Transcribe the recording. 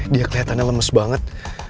dia kelihatannya lemes banget